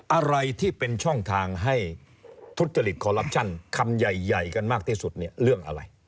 อะไรที่เป็นช่องทางให้ทุจริตคอลลับชั่นคำใหญ่กันมากที่สุดเนี่ยเรื่องอะไร